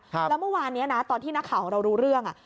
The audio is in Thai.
แล้วเมื่อวานนี้นะตอนที่นักข่าวของเรารู้เรื่องอ่ะ